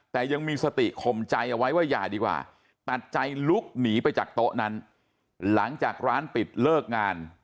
แต่ยังมีสติข่มใจเอาไว้ว่าอย่าดีกว่าตัดใจลุกหนีไปจากโต๊ะนั้นหลังจากร้านปิดเลิกงาน